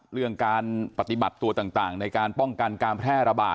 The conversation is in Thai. เรื่องการปฏิบัติตัวต่างในการป้องกันการแพร่ระบาด